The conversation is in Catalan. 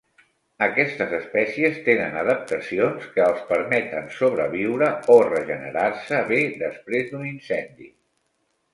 Aquestes espècies tenen adaptacions que els permeten sobreviure o regenerar-se bé després d'un incendi.